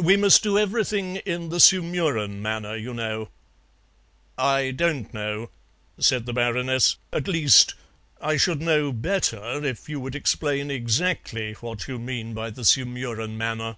We must do everything in the Sumurun manner, you know." "I don't know," said the Baroness; "at least, I should know better if you would explain exactly what you mean by the Sumurun manner."